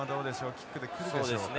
キックで来るでしょうか。